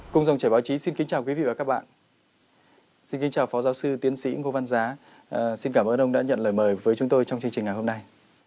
cùng dòng chảy báo chí xin kính chào quý vị và các bạn xin kính chào phó giáo sư tiến sĩ ngô văn giá xin cảm ơn ông đã nhận lời mời với chúng tôi trong chương trình ngày hôm nay